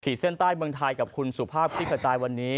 ขีดเส้นใต้เมืองไทยกับคุณสุภาพที่เข้าใจวันนี้